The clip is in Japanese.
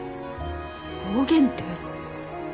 暴言って。